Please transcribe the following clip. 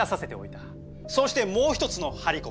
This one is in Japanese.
そうしてもう一つの張り子。